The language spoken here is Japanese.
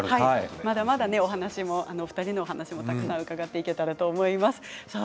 まだまだお話も、お二人の話もたくさん伺っていけたらと思います。